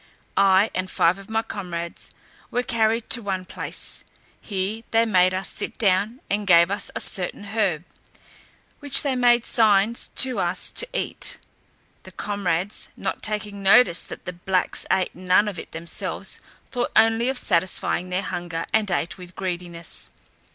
I, and five of my comrades, were carried to one place; here they made us sit down, and gave us a certain herb, which they made signs to us to eat. My comrades not taking notice that the blacks ate none of it themselves, thought only of satisfying their hunger, and ate with greediness.